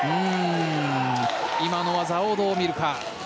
今の技をどう見るか。